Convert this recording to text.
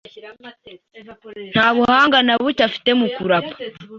ntabuhanga na buke afite mu kurapa